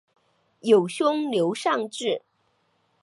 有兄刘尚质。